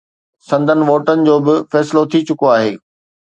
سندن ووٽن جو به فيصلو ٿي چڪو آهي